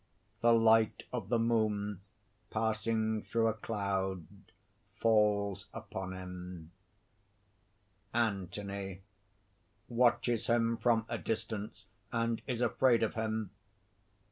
The light of the moon passing through a cloud falls upon him._) ANTHONY (_watches him from a distance, and is afraid of him.